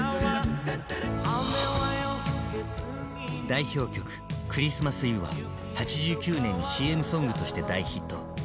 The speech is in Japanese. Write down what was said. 代表曲「クリスマス・イブ」は８９年にＣＭソングとして大ヒット。